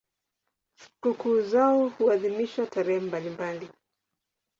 Sikukuu zao huadhimishwa tarehe mbalimbali.